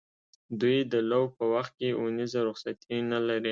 دوی د لو په وخت کې اونیزه رخصتي نه لري.